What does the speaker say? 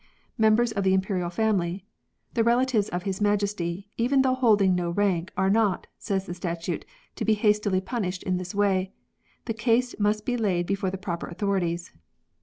Members of the Imperial family. [The relatives of his Majesty, even though holding no rank, are not, say^ the statute, to be hastily punished in this way. The case must be laid before the proper authorities.